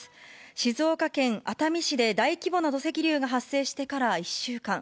静岡県熱海市で、大規模な土石流が発生してから１週間。